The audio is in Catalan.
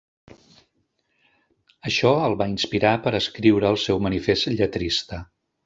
Això el va inspirar per escriure el seu manifest lletrista.